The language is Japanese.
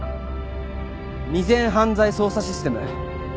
未然犯罪捜査システム